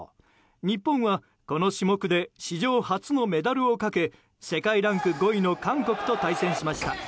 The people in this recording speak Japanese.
日本は、この種目で史上初のメダルをかけ世界ランク５位の韓国と対戦しました。